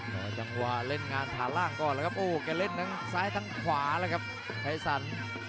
รอจังหวะเล่นงานฐานล่างก่อนแล้วครับโอ้แกเล่นทั้งซ้ายทั้งขวาแล้วครับภัยสัน